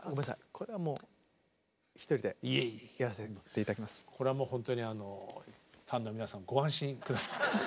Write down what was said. これはもうこれはもうほんとにあのファンの皆さんご安心下さい。